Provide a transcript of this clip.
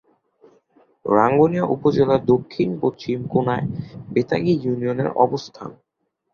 রাঙ্গুনিয়া উপজেলার দক্ষিণ-পশ্চিম কোণায় বেতাগী ইউনিয়নের অবস্থান।